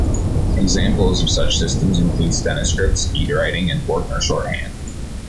Examples of such systems include Stenoscript, Speedwriting and Forkner shorthand.